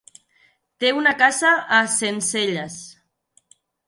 Té una casa a Sencelles.